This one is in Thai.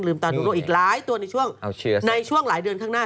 ตาหนูโรคอีกหลายตัวในช่วงในช่วงหลายเดือนข้างหน้า